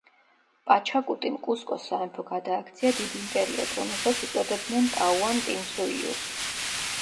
პაჩაკუტიმ კუსკოს სამეფო გადააქცია დიდ იმპერიად, რომელსაც უწოდებდნენ ტაუანტინსუიუს.